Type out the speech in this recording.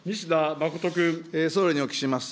総理にお聞きします。